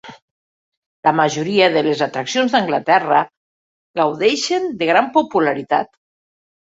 La majoria de les atraccions d'Anglaterra, gaudeixen de gran popularitat.